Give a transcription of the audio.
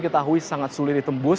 ketahui sangat sulit ditembus